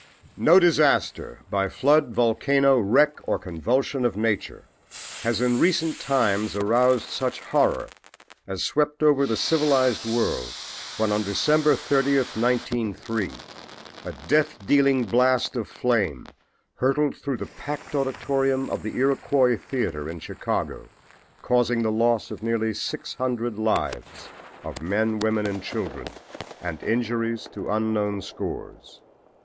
No disaster, by flood, volcano, wreck or convulsion of nature has in recent times aroused such horror as swept over the civilized world when on December 30, 1903, a death dealing blast of flame hurtled through the packed auditorium of the Iroquois theater, Chicago, causing the loss of nearly 600 lives of men, women and children, and injuries to unknown scores.